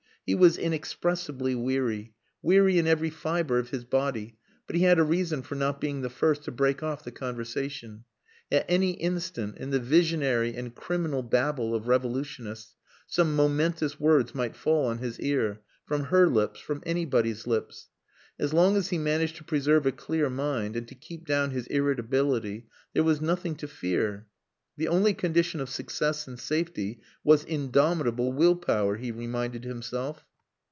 He was inexpressibly weary, weary in every fibre of his body, but he had a reason for not being the first to break off the conversation. At any instant, in the visionary and criminal babble of revolutionists, some momentous words might fall on his ear; from her lips, from anybody's lips. As long as he managed to preserve a clear mind and to keep down his irritability there was nothing to fear. The only condition of success and safety was indomitable will power, he reminded himself.